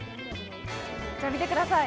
こちら見てください